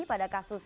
pada saat ini